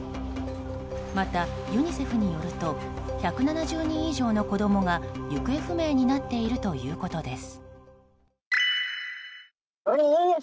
またユニセフによると１７０人以上の子供が行方不明になっているということです。